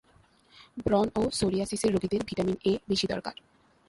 ব্রণ ও সোরিয়াসিসের রোগীদের ভিটামিন এ বেশি দরকার।